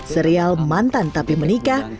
serial mantan tapi menikah